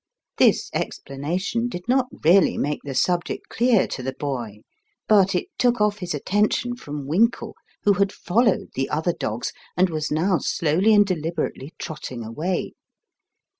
This explanation did not really make the subject clear to the boy, but it took off his attention from Winkle, who had fol lowed the other dogs, and was now slowly and de liberately trotting away.